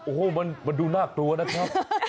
โอ้โหมันดูน่ากลัวนะครับ